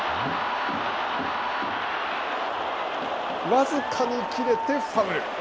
僅かに切れてファウル。